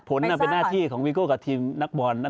ผลเป็นหน้าที่ของวีโก้กับทีมนักบอล